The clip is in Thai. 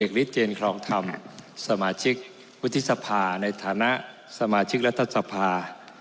เป็นเด็กลิตเชียงของธรรมสมาชิกวุฒิสภาในฐานะสมาชิกลัฒนศพา